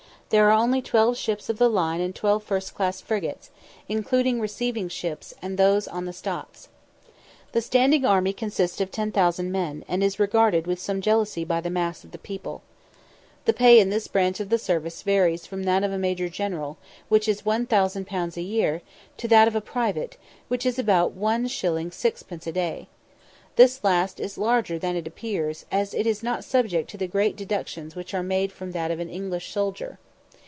There are only twelve ships of the line and twelve first class frigates, including receiving ships and those on the stocks. The standing army consists of 10,000 men, and is regarded with some jealousy by the mass of the people. The pay in this branch of the service varies from that of a major general, which is 1000_l._ a year, to that of a private, which is about 1_s._ 6_d._ a day. This last is larger than it appears, as it is not subject to the great deductions which are made from that of an English soldier.